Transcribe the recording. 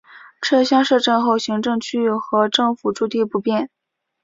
撤乡设镇后行政区域和政府驻地不变。